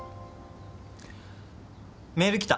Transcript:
メール来た。